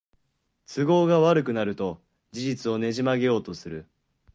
都合が悪くなると事実をねじ曲げようとする